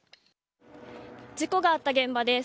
事故があった現場です。